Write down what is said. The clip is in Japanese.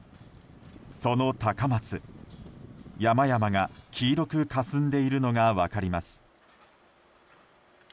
その高松、山々が黄色くかすんでいるのが分かります。